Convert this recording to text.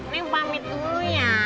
neng pamit dulu ya